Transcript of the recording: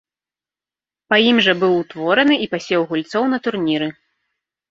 Па ім жа быў утвораны і пасеў гульцоў на турніры.